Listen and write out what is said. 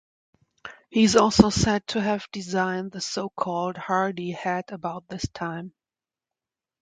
He is also said to have designed the so-called Hardee hat about this time.